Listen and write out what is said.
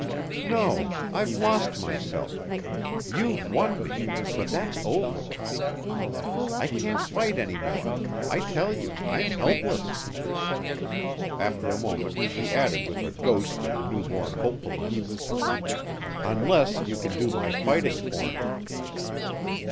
"No, I've lost myself. You've won me ... but that's over. I can't fight any more.... I tell you I'm helpless." After a moment she added with a ghost of new born hopefulness: "unless you can do my fighting for me."